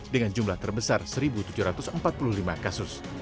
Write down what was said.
dengan jumlah terbesar satu tujuh ratus empat puluh lima kasus